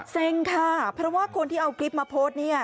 เซ็งค่ะเพราะว่าคนที่เอาคลิปมาโพสต์เนี่ย